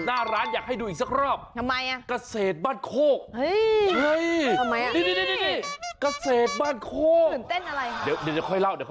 หน้าร้านอยากให้ดูอีกสักรอบ